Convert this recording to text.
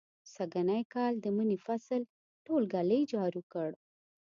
سږنی کال د مني فصل ټول ږلۍ جارو کړ.